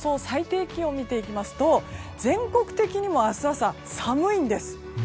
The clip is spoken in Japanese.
最低気温を見ていきますと全国的にも明日朝、寒いんです。